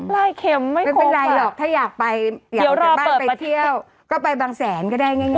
ไล่เข็มไม่ครบอ่ะไม่เป็นไรหรอกถ้าอยากไปเดี๋ยวรอเปิดไปเที่ยวก็ไปบางแสนก็ได้ง่าย